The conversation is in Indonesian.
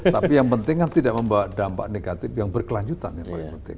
tapi yang penting kan tidak membawa dampak negatif yang berkelanjutan yang paling penting